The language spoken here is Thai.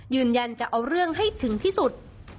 ยืนยันจะเอาเรื่องให้ถึงที่สุด